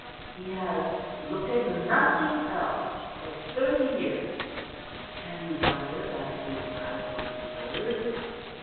He has looked at nothing else for thirty years; can you wonder that his sight is blurred?"